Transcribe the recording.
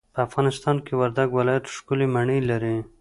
په افغانستان کي وردګ ولايت ښکلې مڼې لري.